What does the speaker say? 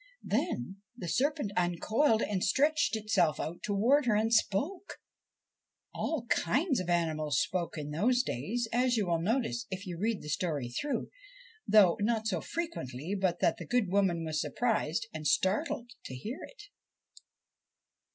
Then the serpent uncoiled and stretched itself out towards her and spoke. All kinds of animals spoke in those days, as you will notice if you read the story through, though not so frequently but that the good woman was surprised and startled to hear it.